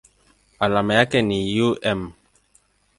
Alama yake ni µm.